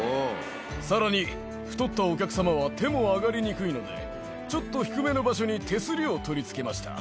さらに、太ったお客様は手も挙がりにくいので、ちょっと低めの場所に手すりを取り付けました。